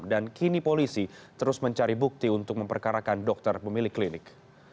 dan kini polisi terus mencari bukti untuk memperkarakan dokter pemilik klinik